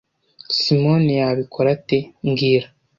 Simoni yabikora ate mbwira